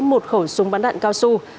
một khẩu súng bắn đạn cao su